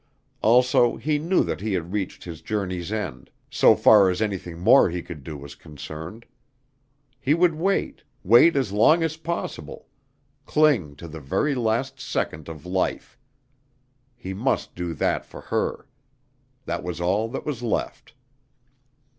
Also he knew that he had reached his journey's end, so far as anything more he could do was concerned. He would wait wait as long as possible cling to the very last second of life. He must do that for her. That was all that was left.